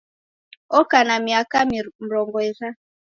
Oka na miaka mrongo irandadu